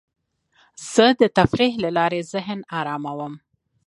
زه د تفریح له لارې ذهن اراموم.